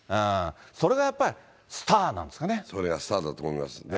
それがやっぱり、スターなんそれがスターだと思います。